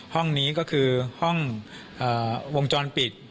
ห้องนี้ก็คือห้องวงจรปิด